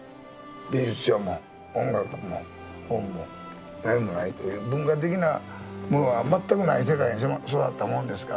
美術書も音楽も本も何もないという文化的なものが全くない世界で育ったもんですから。